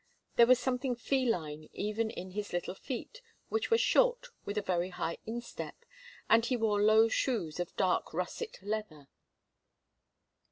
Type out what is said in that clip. There was something feline even in his little feet, which were short with a very high instep, and he wore low shoes of dark russet leather.